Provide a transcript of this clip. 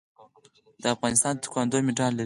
د افغانستان تکواندو مډال لري